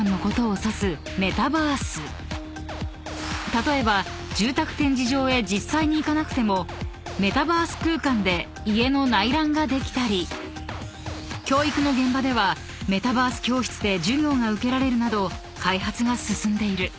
［例えば住宅展示場へ実際に行かなくてもメタバース空間で家の内覧ができたり教育の現場ではメタバース教室で授業が受けられるなど開発が進んでいる］